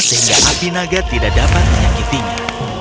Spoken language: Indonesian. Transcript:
sehingga api naga tidak dapat menyakitinya